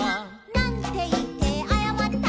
「なんていってあやまった？」